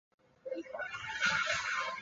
母吉安。